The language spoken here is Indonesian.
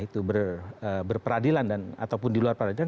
dan juga tentang kebijakan yang beradilan dan ataupun diluar peradilan